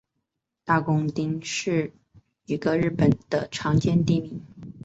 大工町是一个日本的常见地名。